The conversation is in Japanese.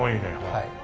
はい。